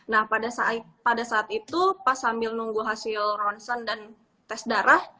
nah pada saat itu pas sambil nunggu hasil ronsen dan tes darah